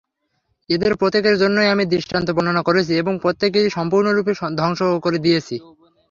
এদের প্রত্যেকের জন্যেই আমি দৃষ্টান্ত বর্ণনা করেছি এবং প্রত্যেককেই সম্পূর্ণরূপে ধ্বংস করে দিয়েছি।